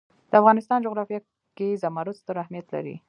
د افغانستان جغرافیه کې زمرد ستر اهمیت لري.